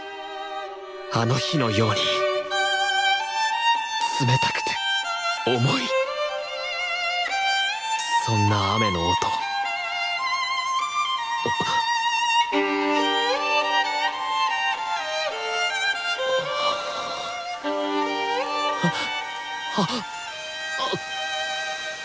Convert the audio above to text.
あの日のように冷たくて重いそんな雨の音ああっ。